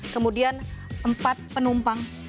kemudian empat penumpang